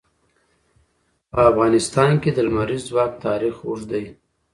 په افغانستان کې د لمریز ځواک تاریخ اوږد دی.